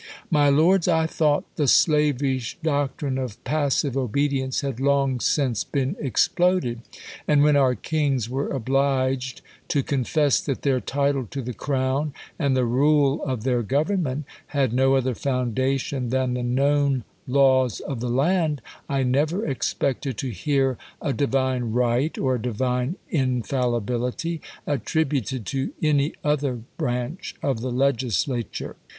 My lords, I thought the slavish doctrine of pas sive obedience had long since been exploded: and, when our kings were obliged to confess that their title to the crov/n, and the rule of their government, had no other foundation than the known laws of the land, I never expected to hear a divine right, or a divine in fallibility, attributed to any other branch of the legis lature.